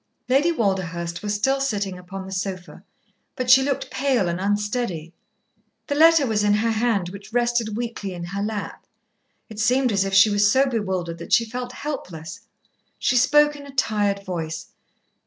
Lady Walderhurst was still sitting upon the sofa, but she looked pale and unsteady. The letter was in her hand, which rested weakly in her lap. It seemed as if she was so bewildered that she felt helpless. She spoke in a tired voice.